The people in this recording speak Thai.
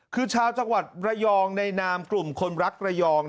คือชาวจังหวัดระยองในนามกลุ่มคนรักระยอง